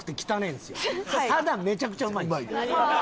ただめちゃくちゃうまいんです。